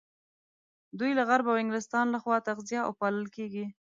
دوی له غرب او انګلستان لخوا تغذيه او پالل کېږي.